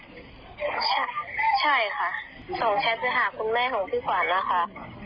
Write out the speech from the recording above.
ที่เขาบอกว่าเออเข้าไปนอนดูไม่รู้สึกอะไร